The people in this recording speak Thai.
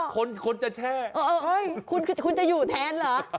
คนคนจะแช่คุณจะอยู่แทนเหรอ